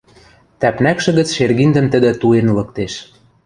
Тӓпнӓкшӹ гӹц шергиндӹм тӹдӹ туен лыктеш.